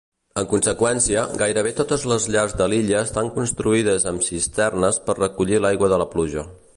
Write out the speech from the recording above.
En conseqüència, gairebé totes les llars de l'illa estan construïdes amb cisternes per recollir l'aigua de la pluja.